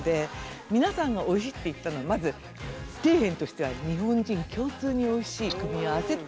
皆さんがおいしいって言ったのはまず底辺としては日本人共通においしい組み合わせそれは言えると思います。